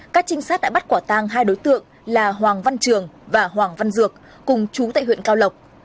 các trinh sát đã bắt quả tang hai đối tượng là hoàng văn trường và hoàng văn dược cùng chú tại huyện cao lộc